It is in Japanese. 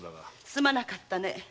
すまなかったね。